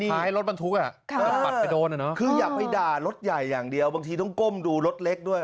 ท้ายรถบรรทุกอ่ะปัดไปโดนคืออย่าไปด่ารถใหญ่อย่างเดียวบางทีต้องก้มดูรถเล็กด้วย